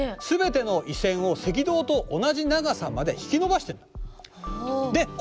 すべての緯線を赤道と同じ長さまで引き伸ばしているんだ。